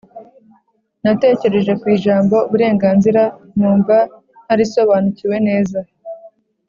natekereje ku ijambo " uburenganzira " numva ntarisobanukiwe neza